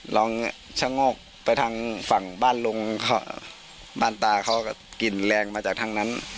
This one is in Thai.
ลองชะโงกไปทางฝั่งบ้านลุงบ้านตาเขาก็กลิ่นแรงมาจากทางนั้น